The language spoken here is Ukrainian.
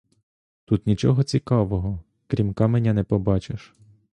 Тут нічого цікавого, крім каменя, не побачиш!